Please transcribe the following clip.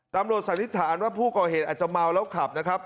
สันนิษฐานว่าผู้ก่อเหตุอาจจะเมาแล้วขับนะครับ